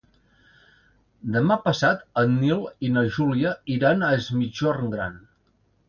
Demà passat en Nil i na Júlia iran a Es Migjorn Gran.